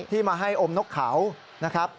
ที่มาให้อมนกเขา